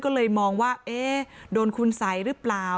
ก็เลยมองว่าโดนคุณไซด์รึเปล่า